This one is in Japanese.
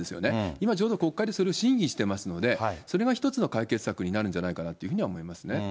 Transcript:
今、ちょうど国会でそれを審議してますので、それが一つの解決策になるんじゃないかなというふうには思います